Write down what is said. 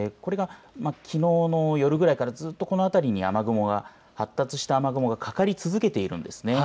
これがきのうの夜ぐらいからずっとこの辺りに発達した雨雲がかかり続けているんですね。